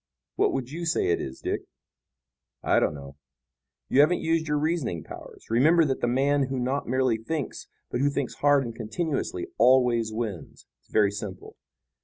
What would you say it is, Dick?" "I don't know." "You haven't used your reasoning powers. Remember that the man who not merely thinks, but who thinks hard and continuously always wins. It's very simple.